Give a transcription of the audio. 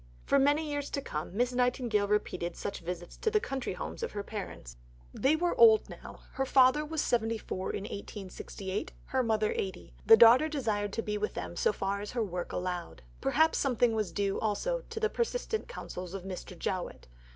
For many years to come, Miss Nightingale repeated such visits to the country homes of her parents. They were now old; her father was 74 in 1868, her mother 80. The daughter desired to be with them so far as her work allowed. Perhaps something was due also to the persistent counsels of Mr. Jowett.